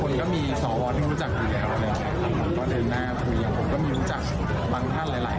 ปัจจัยอะไรที่จะทำให้รู้สึกว่าน่าจะได้เสียงเพิ่มขึ้นแนวนะครับ